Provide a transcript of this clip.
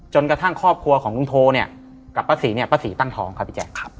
ครอบครัวของลุงโทเนี่ยกับป้าศรีเนี่ยป้าศรีตั้งท้องครับพี่แจ๊ค